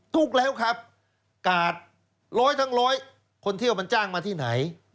ถูกแล้วครับกาดร้อยทั้งร้อยคนเที่ยวมันจ้างมาที่ไหน